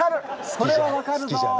それは分かるぞ。